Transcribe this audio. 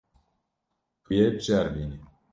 Tu yê biceribînî.